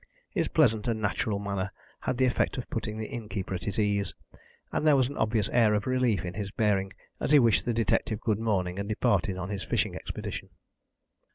His pleasant and natural manner had the effect of putting the innkeeper at his ease, and there was an obvious air of relief in his bearing as he wished the detective good morning and departed on his fishing expedition.